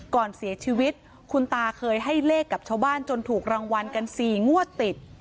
ก่อนเสียชีวิตคุณตาเคยให้เลขกับชาวบ้านจนถูกรางวัลกัน๔งวดติด